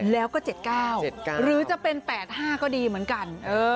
แล้วก็๗๙หรือจะเป็น๘๕ก็ดีเหมือนกัน